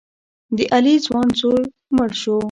د علي ځوان زوی مړ شو.